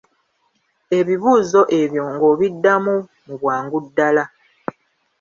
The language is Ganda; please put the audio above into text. Ebibuuzo ebyo ng'obiddamu mu bwangu ddala .